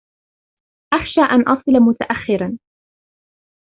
أخشى أن أصل متأخرا.